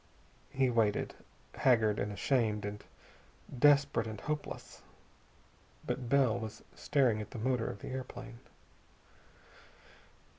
He waited, haggard and ashamed and desperate and hopeless. But Bell was staring at the motor of the airplane.